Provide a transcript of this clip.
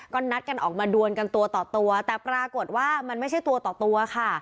ก็นัดกันออกมาดวนกันตัวต่อตัวแต่ปรากฏว่ามันไม่ใช่ตัวต่อตัวค่ะ